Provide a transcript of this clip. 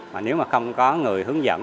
mà nếu mà không có người hướng dẫn